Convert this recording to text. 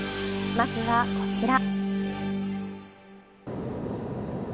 まずはこちら。